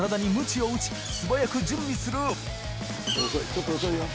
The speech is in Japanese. ちょっと遅いよ。